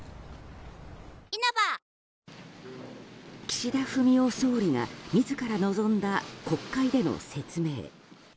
岸田文雄総理が自ら望んだ国会での説明。